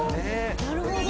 「なるほど。